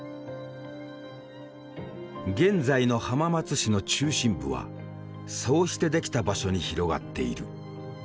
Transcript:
現在の浜松市の中心部はそうしてできた場所に広がっている。